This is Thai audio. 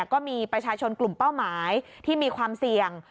ก็มีประชาชนกลุ่มเป้าหมายที่มีความเสี่ยง